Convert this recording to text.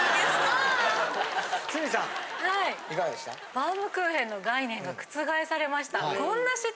バームクーヘンの概念が覆されました。